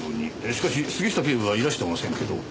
しかし杉下警部はいらしてませんけど。